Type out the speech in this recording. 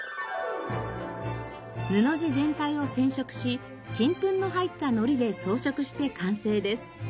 布地全体を染色し金粉の入ったのりで装飾して完成です。